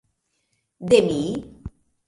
De mi?